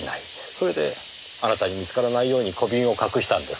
それであなたに見つからないように小瓶を隠したんです。